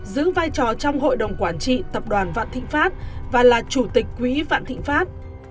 giữ vai trò trong hội đồng quản trị tập đoàn vạn thịnh pháp và là chủ tịch quỹ vạn thịnh pháp